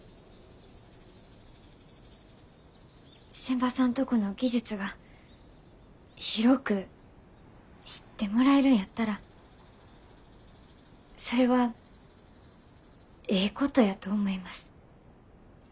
仙波さんとこの技術が広く知ってもらえるんやったらそれはええことやと思います。